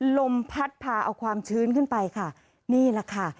ลมพัดพาเอาความชื้นขึ้นไปค่ะนี่แหละค่ะ